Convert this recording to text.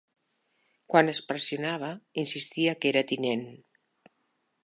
Quan es pressionava, insistia que era "Tinent".